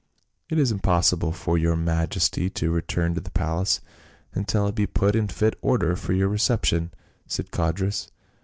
" It is impossible for your majesty to return to the palace until it be put in fit order for your reception," said Codrus.